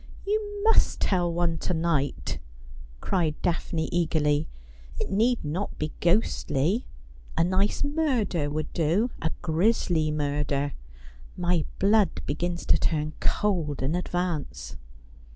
' You must tell one to night,' cried Daphne eagerly. ' It need not be ghostly. A nice murder would do — a grisly murder. My blood begins to turn cold in advance.'